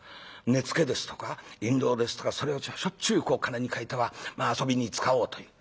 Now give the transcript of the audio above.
根付けですとか印籠ですとかそれをしょっちゅう金に換えては遊びに使おうという。